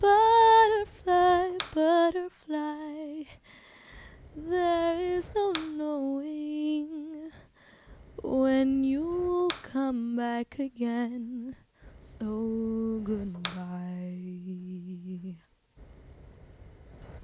Butterfly, butterfly, there is no knowing When you'll come back again, so good bye!